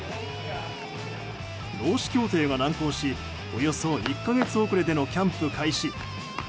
労使協定が難航しおよそ１か月遅れでのキャンプ開始。